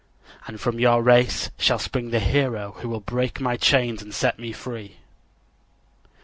And from your race shall spring the hero who will break my chains and set me free."